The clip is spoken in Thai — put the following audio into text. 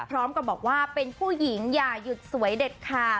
พร้อมกับบอกว่าเป็นผู้หญิงอย่าหยุดสวยเด็ดขาด